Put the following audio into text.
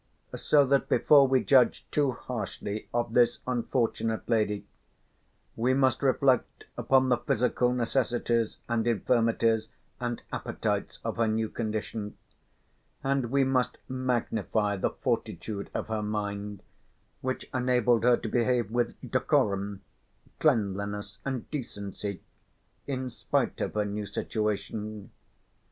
So that before we judge too harshly of this unfortunate lady, we must reflect upon the physical necessities and infirmities and appetites of her new condition, and we must magnify the fortitude of her mind which enabled her to behave with decorum, cleanliness and decency in spite of her new situation.